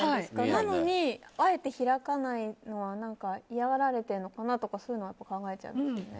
なのにあえて開かないのは何か、嫌がられてるのかなとかそういうのは考えちゃいますね。